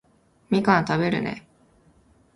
みかん食べるね